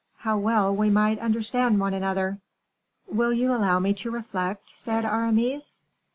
How well we might understand one another!" "Will you allow me to reflect?" said Aramis.